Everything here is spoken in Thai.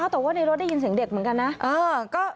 แต่ว่าในรถได้ยินเสียงเด็กเหมือนกันนะ